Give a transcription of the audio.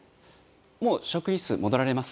もう職員室戻られます？